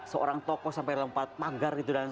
seorang toko sampai lempar pagar gitu